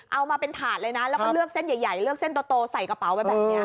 เอามาเป็นถาดเลยนะแล้วก็เลือกเส้นใหญ่เลือกเส้นโตใส่กระเป๋าไปแบบนี้